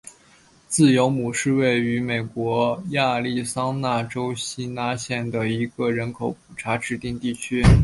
自由亩是位于美国亚利桑那州希拉县的一个人口普查指定地区。